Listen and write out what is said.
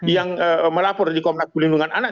yang melaporkan di komunas perlindungan anak